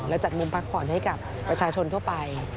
และจัดมุมพักผ่อนให้กับประชาชนทั่วไป